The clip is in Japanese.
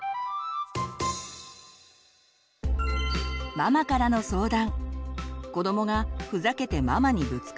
ママからの相談。